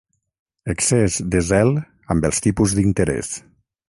Excés de zel amb els tipus d'interès.